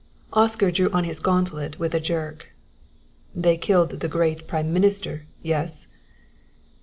Oscar drew on his gauntlet with a jerk. "They killed the great prime minister yes?"